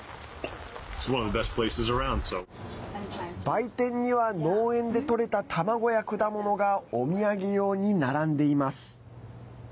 売店には農園でとれた卵や果物がお土産用に並んでいます。